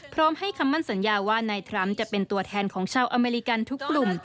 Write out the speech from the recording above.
พร้อมให้คำมั่นสัญญาว่านายทรัมป์จะเป็นตัวแทนของชาวอเมริกันทุกกลุ่ม